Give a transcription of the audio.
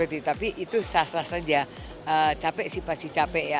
tapi itu sah sah saja capek sih pasti capek ya